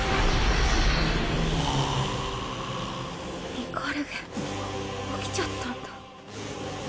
ミカルゲ起きちゃったんだ。